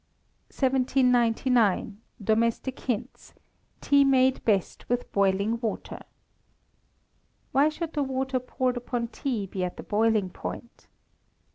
1799. Domestic Hints (Tea Made Best with Boiling Water). _Why should the water poured upon tea be at the boiling point?